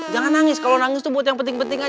jangan nangis kalo nangis buat yang penting penting aja